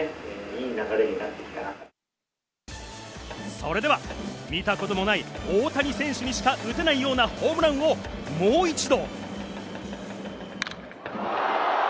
それでは見たこともない大谷選手にしか打てないようなホームランをもう一度。